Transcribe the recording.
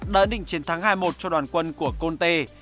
đã định chiến thắng hai một cho đoàn quân của conte